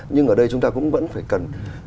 nhưng ở đây chúng ta cũng vẫn phải cần